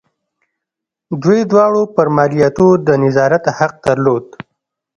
دوی دواړو پر مالیاتو د نظارت حق درلود.